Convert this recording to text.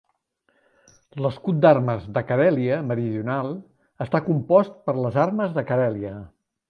L'escut d'armes de Carèlia Meridional està compost per les armes de Carèlia.